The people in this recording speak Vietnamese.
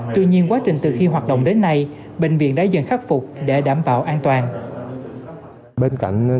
tuy nhiên quá trình từ khi hoạt động đến nay bệnh viện đã dần khắc phục để đảm bảo an toàn